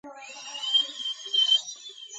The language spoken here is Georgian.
სარეწაო ობიექტია, იყენებენ ბეწვს და ხორცს.